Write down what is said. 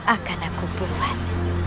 akan aku buat